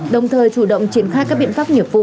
đồng thời chủ động triển khai các biện pháp nghiệp vụ